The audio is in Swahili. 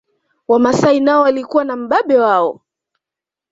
Wamasai nao walikuwa na mbabe wao